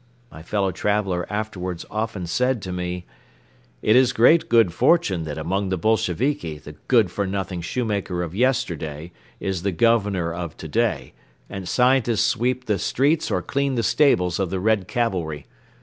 My fellow traveler afterwards often said to me: "It is great good fortune that among the Bolsheviki the good for nothing shoemaker of yesterday is the Governor of today and scientists sweep the streets or clean the stables of the Red cavalry.